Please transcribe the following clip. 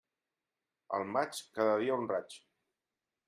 Al maig, cada dia un raig.